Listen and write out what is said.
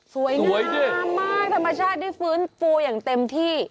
สวยงามมากธรรมชาติได้ฟื้นฟูอย่างเต็มที่